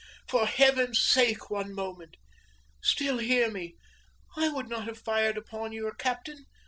for heaven's sake, one moment! Still hear me! I would not have fired upon your captain!